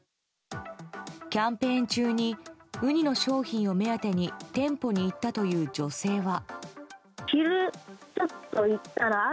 キャンペーン中にウニの商品を目当てに店舗に行ったという女性は。